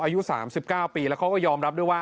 อายุ๓๙ปีแล้วเขาก็ยอมรับด้วยว่า